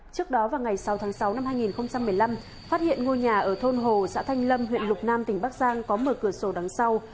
trước đó vào ngày sáu tháng sáu năm hai nghìn một mươi năm phát hiện ngôi nhà ở thôn hồ xã thanh lâm huyện lục nam tỉnh bắc giang có mở cửa sổ đắm sau